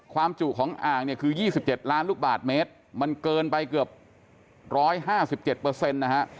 ความจุของอ่างเนี่ยคือยี่สิบเจ็ดล้านลูกบาทเมตรมันเกินไปเกือบร้อยห้าสิบเจ็ดเปอร์เซ็นต์นะฮะ